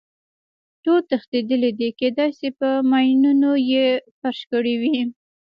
ټول تښتېدلي دي، کېدای شي په ماینونو یې فرش کړی وي.